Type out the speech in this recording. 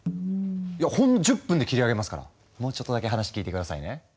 ほんの１０分で切り上げますからもうちょっとだけ話聞いて下さいね。